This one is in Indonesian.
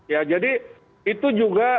ya jadi itu juga